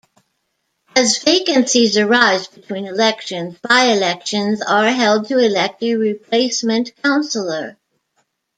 As vacancies arise between elections, by-elections are held to elect a replacement councillor.